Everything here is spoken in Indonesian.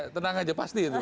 tenang aja pasti itu